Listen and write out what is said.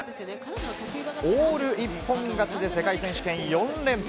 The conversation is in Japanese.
オール一本勝ちで世界選手権４連覇。